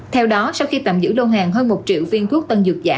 theo đó sau khi tạm giữ lô hàng hơn một triệu viên thuốc tân dược giả